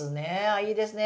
いいですね。